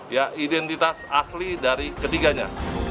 ya identitas asli dari ketiganya